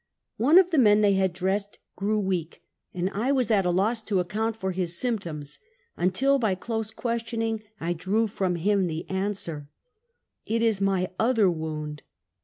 One of the men they had dressed grew weak, and I was at a loss to account for his symptoms, until by close ques tioning, I drew from him the answer, " It is my other wound